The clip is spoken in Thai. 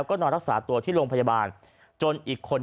จังหวะเดี๋ยวจะให้ดูนะ